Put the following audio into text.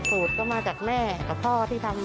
สูตรก็มาจากแม่กับพ่อที่ทำ